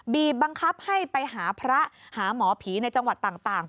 บีบบังคับให้ไปหาพระหาหมอผีในจังหวัดต่าง